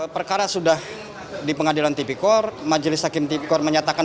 perkara sudah di pengadilan tipikor majelis hakim tipikor menyatakan